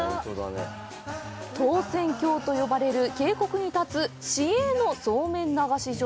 唐船峡と呼ばれる渓谷に建つ市営のそうめん流し場！